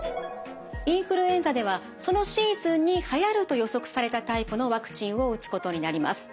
インフルエンザではそのシーズンにはやると予測されたタイプのワクチンを打つことになります。